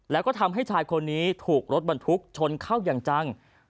แล้วก็ทำให้ชายคนนี้ถูกรถบรรทุกชนเข้าอย่างจัง